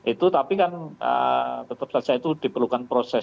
itu tapi kan tetap saja itu diperlukan proses